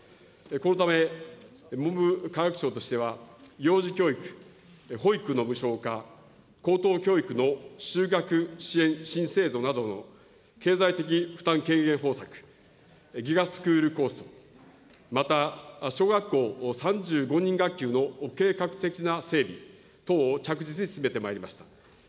このため、文部科学省としては、幼児教育、保育の無償化、高等教育の就学支援新制度などの経済的負担軽減方策、ＧＩＧＡスクール構想、また小学校３５人学級の計画的な整備等を着実に進めてまいりました。